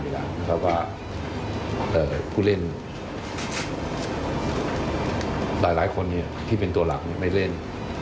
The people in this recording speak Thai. แล้วก็ผู้เล่นหลายคนที่เป็นตัวหลักไม่เล่น